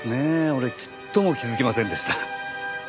俺ちっとも気づきませんでした。